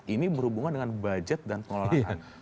ini berhubungan dengan budget dan pengelolaan